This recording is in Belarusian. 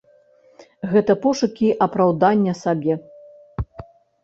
Гэта пошукі апраўдання сабе.